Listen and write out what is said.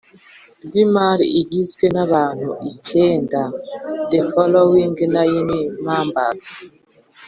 rw Imari igizwe n abantu icyenda the following nine members